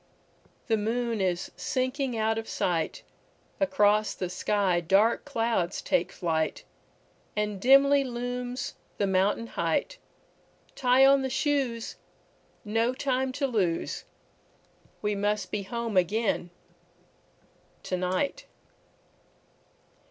The moon is sinking out of sight, Across the sky dark clouds take flight, And dimly looms the mountain height; Tie on the shoes, no time to lose, We must be home again to night.